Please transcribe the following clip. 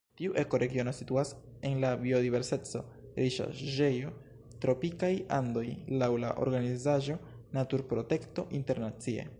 Tiu ekoregiono situas en la biodiverseco-riĉaĵejo Tropikaj Andoj laŭ la organizaĵo Naturprotekto Internacie.